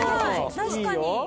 確かに。